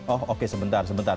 oh oke sebentar sebentar